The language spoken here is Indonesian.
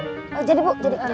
oh jadi bu jadi